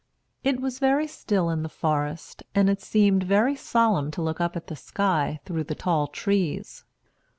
It was very still in the forest, and it seemed very solemn to look up at the sky through the tall trees.